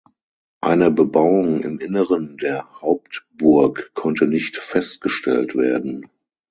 Eine Bebauung im Inneren der Hauptburg konnte nicht festgestellt werden.